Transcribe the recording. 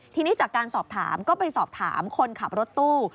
ทีนี้จากการสอบถามก็ไปสอบถามคนขับรถตู้